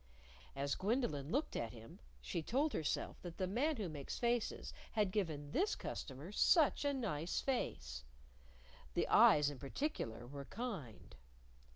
As Gwendolyn looked at him she told herself that the Man Who Makes Faces had given this customer such a nice face; the eyes, in particular, were kind.